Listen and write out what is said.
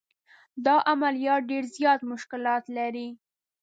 دا عملیات ډېر زیات مشکلات لري.